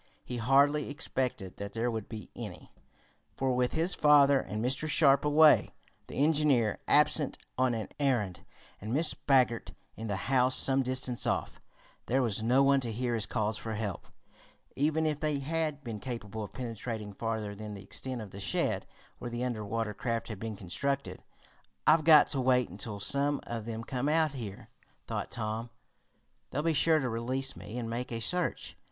He hardly expected that there would be any, for with his father and Mr. Sharp away, the engineer absent on an errand, and Mrs. Baggert in the house some distance off, there was no one to hear his calls for help, even if they had been capable of penetrating farther than the extent of the shed, where the under water craft had been constructed. "I've got to wait until some of them come out here," thought Tom. "They'll be sure to release me and make a search.